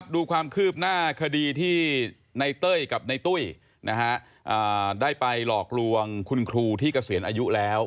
ดูความคืบหน้าคดีที่ในเต้ยกับในตุ้ยได้ไปหลอกลวงคุณครูที่เกษียณอายุแล้ว